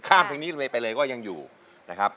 เข้ามเพลงนี้เราก็ยิ่งไปเลยก็ยังอยู่นะครับ